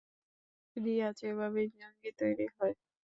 রিয়াজ, এভাবেই জঙ্গী তৈরী হয়।